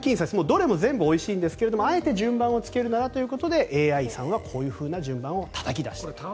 どれも全部おいしいんですがあえて順番をつけるならということでＡＩさんはこういう順番をたたき出した。